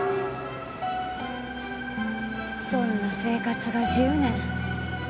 そんな生活が１０年。